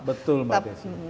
betul mbak desy